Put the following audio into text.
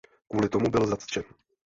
Kvůli tomu byl zatčen.